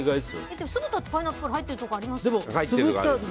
でも酢豚ってパイナップル入ってるところありますよ。